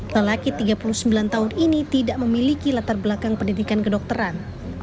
lelaki tiga puluh sembilan tahun ini tidak memiliki latar belakang pendidikan kedokteran